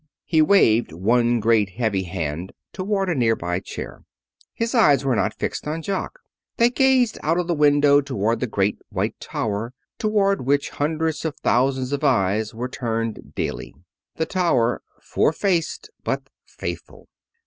He waved one great heavy hand toward a near by chair. His eyes were not fixed on Jock. They gazed out of the window toward the great white tower toward which hundreds of thousands of eyes were turned daily the tower, four faced but faithful.